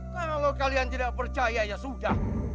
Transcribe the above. kalau kalian tidak percaya ya sudah